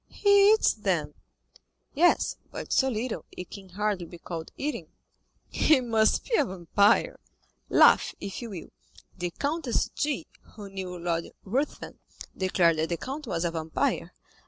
"He eats, then?" "Yes; but so little, it can hardly be called eating." "He must be a vampire." "Laugh, if you will; the Countess G——, who knew Lord Ruthven, declared that the count was a vampire."